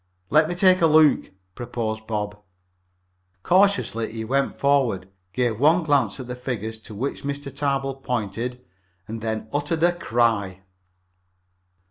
"Let me take a look," proposed Bob. Cautiously he went forward, gave one glance at the figures to which Mr. Tarbill pointed, and then he uttered a cry.